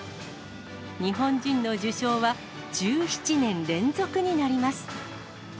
日本人の受賞は１７年連続になります。